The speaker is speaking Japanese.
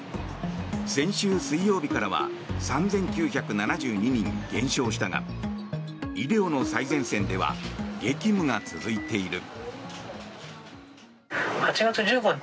先週水曜日からは３９７２人減少したが医療の最前線では激務が続いている。